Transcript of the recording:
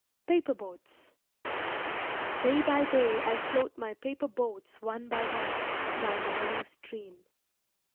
jpg] PAPER BOATS Day by day I float my paper boats one by one down the running stream.